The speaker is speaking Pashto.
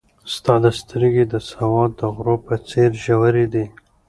ستا سترګې د سوات د غرو په څېر ژورې دي.